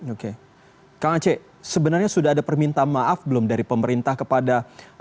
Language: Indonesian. oke kang aceh sebenarnya sudah ada permintaan maaf belum dari pemerintah kepada